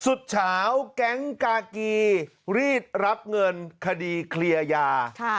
ฉาแก๊งกากีรีดรับเงินคดีเคลียร์ยา